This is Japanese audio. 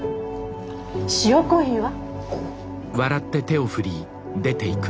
塩コーヒーは？